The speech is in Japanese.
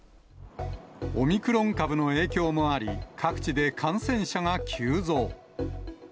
オミクロン株の影響もあり、各地で感染者が急増。